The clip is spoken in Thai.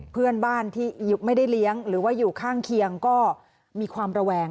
เพื่อนบ้านที่ไม่ได้เลี้ยงหรือว่าอยู่ข้างเคียงก็มีความระแวง